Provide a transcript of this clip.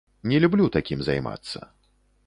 Не люблю такім займацца.